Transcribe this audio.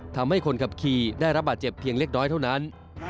ทำให้คนขับขี่ได้รับบาดเจ็บเพียงเล็กน้อยเท่านั้น